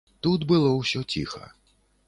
Тут было ўсё ціха.